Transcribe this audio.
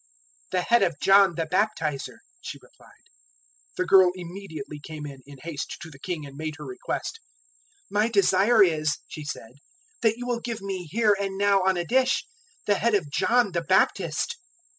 "The head of John the Baptizer," she replied. 006:025 The girl immediately came in, in haste, to the King and made her request. "My desire is," she said, "that you will give me, here and now, on a dish, the head of John the Baptist."